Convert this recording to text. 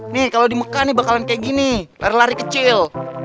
nih kalau di mekah nih bakalan kayak gini lari lari kecil